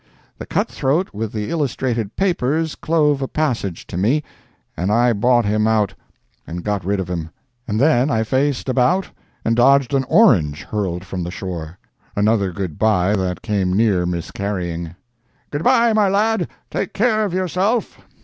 The cutthroat with the illustrated papers clove a passage to me, and I bought him out and got rid of him. And then I faced about and dodged an orange hurled from the shore—another good bye that came near miscarrying. "Good bye, my lad, take care of yourself!"